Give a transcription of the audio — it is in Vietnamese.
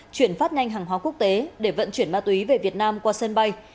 chuyển phát nhanh hàng hóa quốc tế để vận chuyển ma túy về việt nam qua sân bay